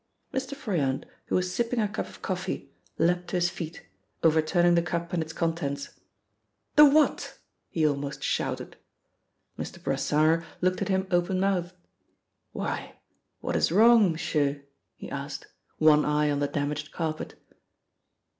Mr. Froyant, who was sipping a cup of coffee, leapt to his feet, overturning the cup and its contents. "The what?" he almost shouted. Mr. Brassard looked at him open mouthed. "Why, what is wrong, m'sieur?" he asked, one eye on the damaged carpet.